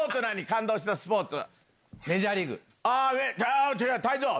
感動したスポーツ？